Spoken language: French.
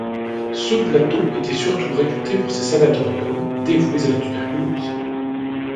Ce plateau était surtout réputé pour ses sanatoriums dévoués à la tuberculose.